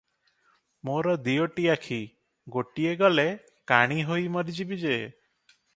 ମୋର ଦିଓଟି ଆଖି; ଗୋଟିଏ ଗଲେ କାଣୀ ହୋଇ ମରିଯିବି ଯେ ।